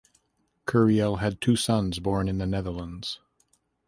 Curiel had two sons born in the Netherlands.